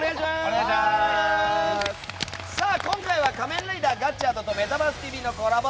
今回は「仮面ライダーガッチャード」と「メタバースＴＶ！！」のコラボ